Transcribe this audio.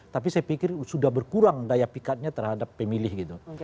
tapi saya pikir sudah berkurang daya pikatnya terhadap pemilih gitu